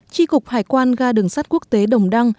tri cục hải quan ga đường sắt quốc tế đồng đăng